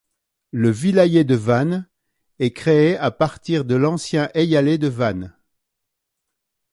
Le vilayet de Van est créé à partir de l'ancien eyalet de Van.